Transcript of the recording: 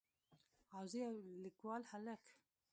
او زه يو کليوال هلک.